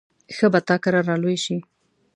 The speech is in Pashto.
ښه به تا کره را لوی شي.